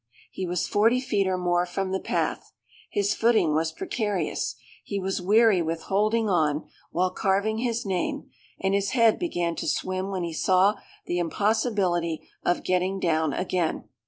He was forty feet or more from the path; his footing was precarious; he was weary with holding on, while carving his name, and his head began to swim when he saw the impossibility of getting down again.